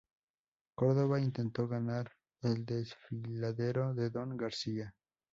Córdova intentó ganar el desfiladero de Don García.